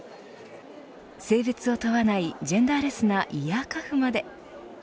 性別を問わないジェンダーレスなイヤーカフまで。